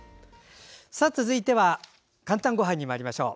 続いては「かんたんごはん」にまいりましょう。